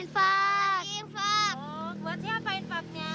buat siapa infaknya